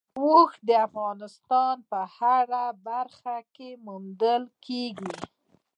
اوښ د افغانستان په هره برخه کې موندل کېږي.